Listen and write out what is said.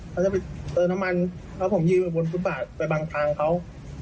เขาจะไปเติมน้ำมันแล้วผมยืนอยู่บนฟุตบาทไปบังทางเขา